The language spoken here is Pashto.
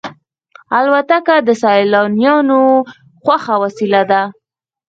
الوتکه د سیلانیانو خوښه وسیله ده.